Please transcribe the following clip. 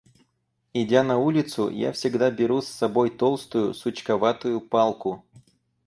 Идя на улицу, я всегда беру с собой толстую, сучковатую палку.